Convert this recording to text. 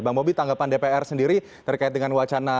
bang bobi tanggapan dpr sendiri terkait dengan wacana